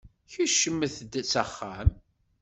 Kecmet-d s axxam.